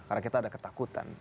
karena kita ada ketakutan